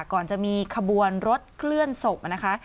ก่อนจะมีขบวนรถเคลื่อนศพนะคะ